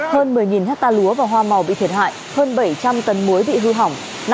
hơn một mươi hectare lúa và hoa màu bị thiệt hại hơn bảy trăm linh tấn muối bị hư hỏng